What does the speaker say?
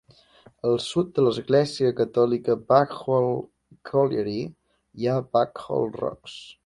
Al sud de l'església catòlica Blackhall Colliery hi ha Blackhall Rocks.